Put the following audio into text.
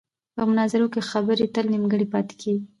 په مناظرو کې خبرې تل نیمګړې پاتې کېږي.